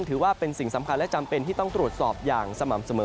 ถือว่าเป็นสิ่งสำคัญและจำเป็นที่ต้องตรวจสอบอย่างสม่ำเสมอ